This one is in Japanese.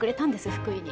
福井に。